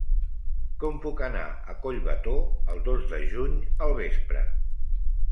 Com puc anar a Collbató el dos de juny al vespre?